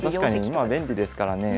今は便利ですからねえ。